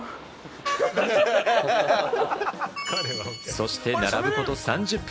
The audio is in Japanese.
そして並ぶこと３０分。